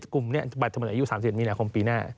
กลุ่มนี้บัตรชมพูในอายุ๓๑มีหลายคมปีหน้า